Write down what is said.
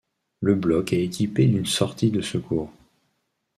Le bloc est équipé d'une sortie de secours.